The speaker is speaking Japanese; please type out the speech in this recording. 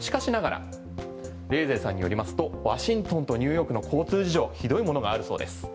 しかしながら冷泉さんによりますとワシントンとニューヨークの交通事情ひどいものがあるそうです。